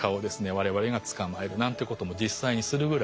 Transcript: われわれが捕まえるなんていうことも実際にするぐらい。